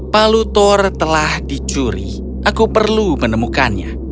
palu thor telah dicuri aku perlu menemukannya